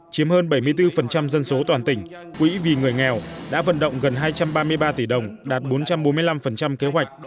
chiếm hơn bảy mươi bốn dân số toàn tỉnh quỹ vì người nghèo đã vận động gần hai trăm ba mươi ba tỷ đồng đạt bốn trăm bốn mươi năm kế hoạch